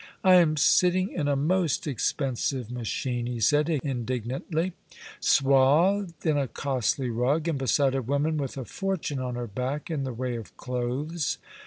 "I am sitting in a most expensive machine," he said, indignantly, "swathed in a costly rug, and beside a woman with a fortune on her back in the way of clothes."